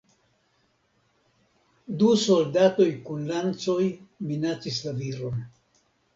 Du soldatoj kun lancoj minacis la viron.